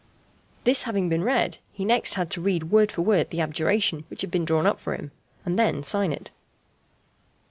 This having been read, he next had to read word for word the abjuration which had been drawn up for him, and then sign it.